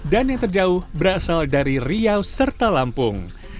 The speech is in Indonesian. dan yang terjauh berasal dari riau serta lampung